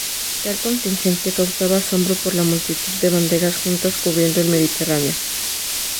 Tal contingente causaba asombro por la multitud de banderas juntas cubriendo el Mediterráneo.